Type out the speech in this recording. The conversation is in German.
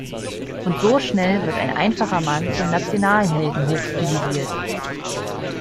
Und so schnell wird ein einfacher Mann zum Nationalhelden hochstilisiert.